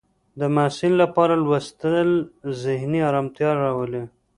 د محصل لپاره لوستل ذهني ارامتیا راولي.